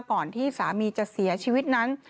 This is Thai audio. ก่อนที่สามีจะเสียชีวิตนั้น